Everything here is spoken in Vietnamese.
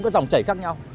các dòng chảy khác nhau